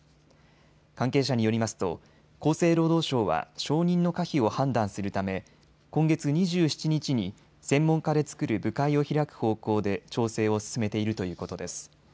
関係者によりますと厚生労働省は承認の可否を判断するため今月２７日に専門家で作る部会を開く方向で調整を進めているということです。